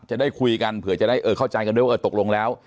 จะได้คุยกันเผื่อจะได้เข้าใจกันด้วยว่าเออตกลงแล้ว